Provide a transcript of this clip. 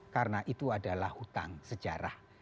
karena itu adalah hutang sejarah